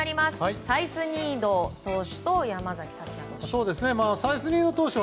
サイスニード投手と山崎福也投手。